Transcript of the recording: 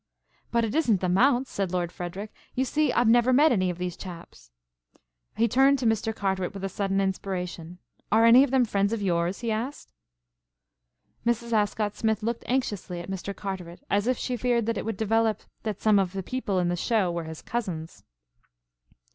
"But it isn't the mounts," said Lord Frederic. "You see I've never met any of these chaps." He turned to Mr. Carteret with a sudden inspiration. "Are any of them friends of yours?" he asked. Mrs. Ascott Smith looked anxiously at Mr. Carteret, as if she feared that it would develop that some of the people in the show were his cousins.